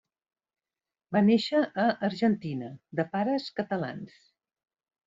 Va néixer a Argentina, de pares catalans.